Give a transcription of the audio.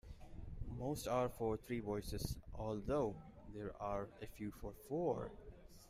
Most are for three voices, although there are a few for four.